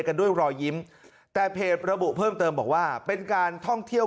กันด้วยรอยยิ้มแต่เพจระบุเพิ่มเติมบอกว่าเป็นการท่องเที่ยว